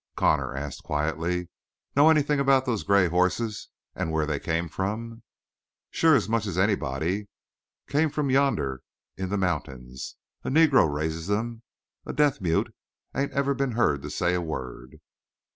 Connor asked quietly: "Know anything about these gray horses and where they came from?" "Sure. As much as anybody. Come from yonder in the mountains. A Negro raises 'em. A deaf mute. Ain't ever been heard to say a word."